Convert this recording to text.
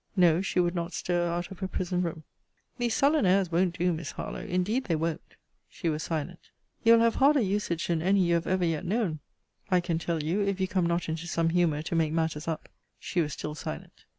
No; she would not stir out of her prison room. These sullen airs won't do, Miss Harlowe: indeed they won't. She was silent. You will have harder usage than any you have ever yet known, I can tell you, if you come not into some humour to make matters up. She was still silent.